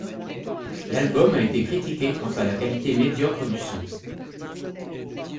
L'album a été critiqué quant à la qualité médiocre du son.